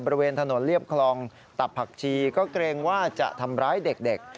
บริเวณถนนเรียบคลองตับผักชีก็เกรงว่าจะทำร้ายเด็ก